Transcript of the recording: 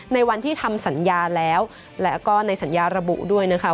ในวันที่ทำสัญญาแล้วแล้วก็ในสัญญาระบุด้วยนะคะ